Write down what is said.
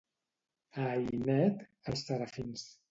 A Ainet, els serafins.